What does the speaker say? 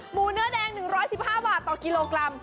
หมูเนื้อแดง๑๑๕บาทต่อกิโลกรัม